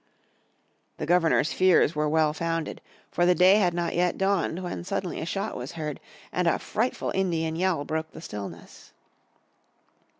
The Governor's fears were well founded. For the day had not yet dawned when suddenly a shot was heard, and a frightful Indian yell broke the stillness.